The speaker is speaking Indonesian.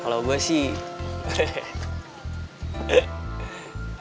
kalau gue sih